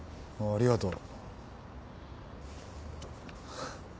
ありがとう。